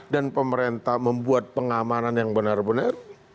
dan pemerintah membuat pengamanan yang benar benar